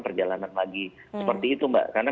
perjalanan lagi seperti itu mbak karena